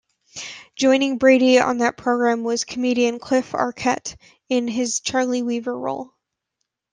Joining Brady on that program was comedian Cliff Arquette in his Charley Weaver role.